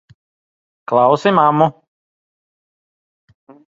Klausi mammu!